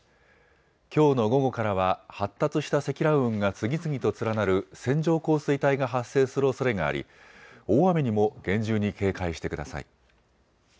きょうの午後からは発達した積乱雲が次々と連なる線状降水帯が発生するおそれがあり大雨にも厳重に警戒してください。